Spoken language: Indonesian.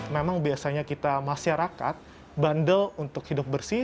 memang biasanya kita masyarakat bandel untuk hidup bersih